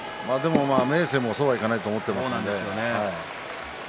明生も、そうはいかないと思っていますからね。